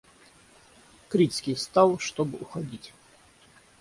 Крицкий встал, чтоб уходить.